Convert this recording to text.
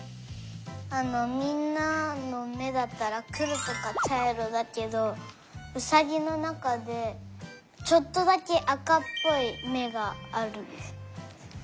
あのみんなのめだったらくろとかちゃいろだけどうさぎのなかでちょっとだけあかっぽいめがあるんです。